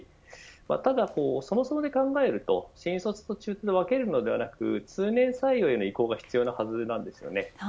ただ、そもそもで考えると新卒と中途で分けるのではなく通年採用への移行は必要だと思います。